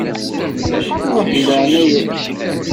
Ruḥ, deg leεnaya-k.